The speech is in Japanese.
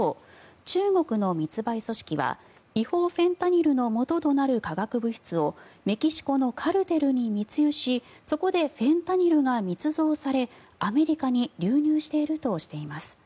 中国の密売組織は違法フェンタニルのもととなる化学物質をメキシコのカルテルに密輸しそこでフェンタニルが密造されアメリカに流入しているとしています。